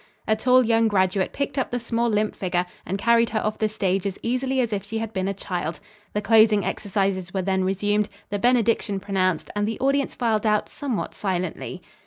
A tall young graduate picked up the small, limp figure and carried her off the stage as easily as if she had been a child. The closing exercises were then resumed, the benediction pronounced and the audience filed out somewhat silently.